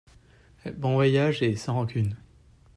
Bon voyage et sans rancune.